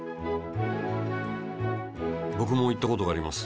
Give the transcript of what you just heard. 僕も行った事があります。